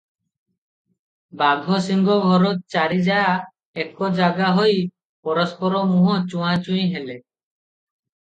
ବାଘସିଂହ ଘର ଚାରି ଯାଆ ଏକ ଜାଗାହୋଇ ପରସ୍ପର ମୁହଁ ଚୁହାଁଚୁହିଁ ହେଲେ ।